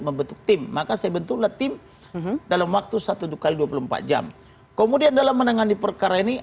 membentuk tim maka saya bentuklah tim dalam waktu satu x dua puluh empat jam kemudian dalam menangani perkara ini